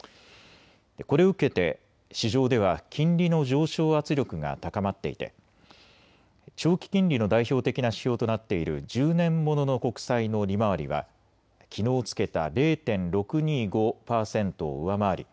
これを受けて市場では金利の上昇圧力が高まっていて長期金利の代表的な指標となっている１０年ものの国債の利回りはきのうつけた０．６２５％を上回り